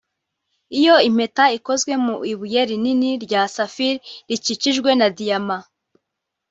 Iyo mpeta ikozwe mu ibuye rinini rya saphir rikikijwe na diyama